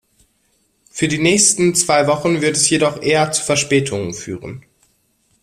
Für die nächsten zwei Wochen wird es jedoch eher zu Verspätungen führen.